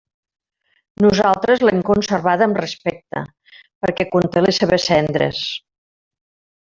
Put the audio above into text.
Nosaltres l'hem conservada amb respecte, perquè conté les seves cendres.